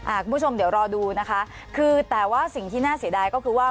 คุณผู้ชมเดี๋ยวรอดูนะคะคือแต่ว่าสิ่งที่น่าเสียดายก็คือว่า